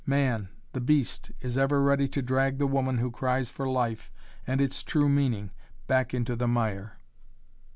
Man, the beast, is ever ready to drag the woman who cries for life and its true meaning back into the mire.